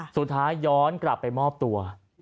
สุดท้ายย้อนกลับไปมอบตัว